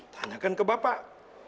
tanahkan ke bapak